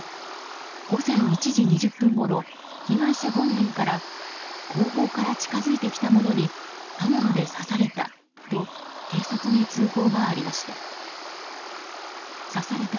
午前１時２０分ごろ被害者本人から後方から近づいてきた者に刃物で刺されたと警察に通報がありました。